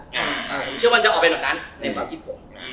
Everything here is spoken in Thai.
ผมเชื่อว่าจะออกไปแบบนั้นในความคิดผม